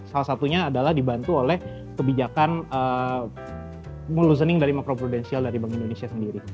salah satunya adalah dibantu oleh kebijakan molosening dari makro prudensial dari bank indonesia sendiri